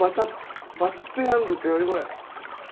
バチットヤングって何これ。